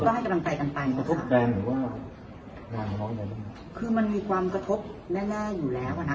ก็ก็ให้กำลังใจกันไปนะครับคือมันมีความกระทบแน่แน่อยู่แล้วอ่ะนะ